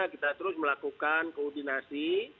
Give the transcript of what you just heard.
kita terus melakukan koordinasi